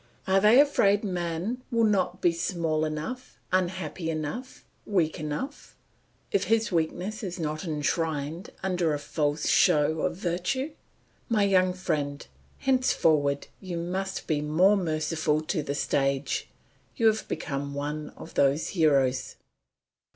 Are they afraid man will not be small enough, unhappy enough, weak enough, if his weakness is not enshrined under a false show of virtue.' My young friend, henceforward you must be more merciful to the stage; you have become one of those heroes.